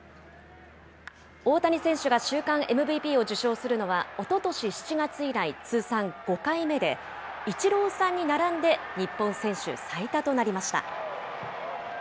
大谷選手が週間ＭＶＰを受賞するのはおととし７月以来、通算５回目で、イチローさんに並んで日本選手最多となりました。